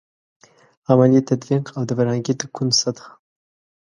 عملي تطبیق او د فرهنګي تکون سطحه.